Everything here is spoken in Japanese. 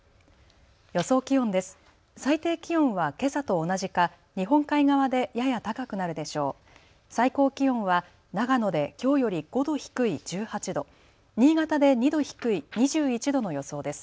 予想気温です。